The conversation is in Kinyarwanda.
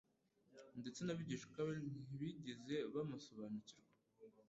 Ndetse n'abigishwa be ntibigeze bamusobanukirwa.